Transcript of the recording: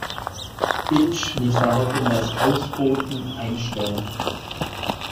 Inch ließ daraufhin das Ausbooten einstellen.